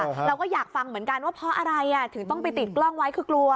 เราก็อยากฟังเหมือนกันว่าเพราะอะไรอ่ะถึงต้องไปติดกล้องไว้คือกลัว